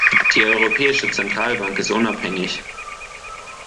Die Europäische Zentralbank ist unabhängig.